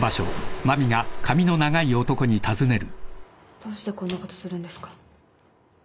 どうしてこんなことするんですか？